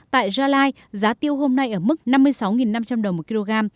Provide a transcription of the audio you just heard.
tại gia lai giá tiêu hôm nay ở mức năm mươi sáu năm trăm linh đồng một kg